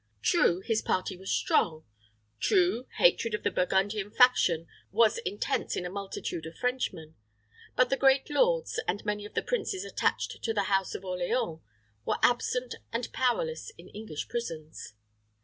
True, his party was strong; true, hatred of the Burgundian faction was intense in a multitude of Frenchmen. But the great lords, and many of the princes attached to the house of Orleans, were absent and powerless in English prisons.